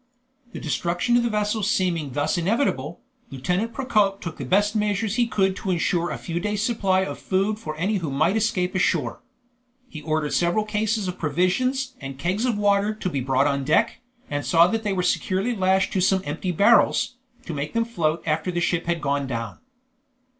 The destruction of the vessel seeming thus inevitable, Lieutenant Procope took the best measures he could to insure a few days' supply of food for any who might escape ashore. He ordered several cases of provisions and kegs of water to be brought on deck, and saw that they were securely lashed to some empty barrels, to make them float after the ship had gone down.